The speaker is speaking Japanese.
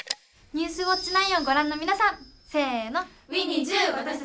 「ニュースウオッチ９」をご覧の皆さんせの。